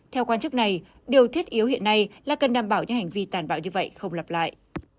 theo quan chức này điều thiết yếu hiện nay là cần đảm bảo những hành vi tàn bạo như vậy không lặp lại